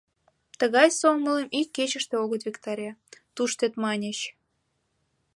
«Тыгай сомылым ик кечыште огыт виктаре», — туштет маньыч.